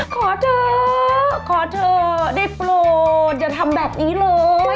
ขอเธอขอเธอได้โปรดอย่าทำแบบนี้เลย